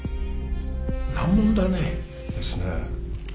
難問だね。ですね。